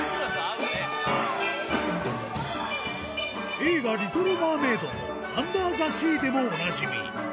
映画、リトル・マーメイドのアンダー・ザ・シーでもおなじみ。